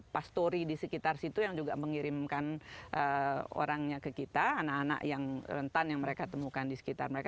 pastory di sekitar situ yang juga mengirimkan orangnya ke kita anak anak yang rentan yang mereka temukan di sekitar mereka